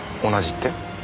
同じって？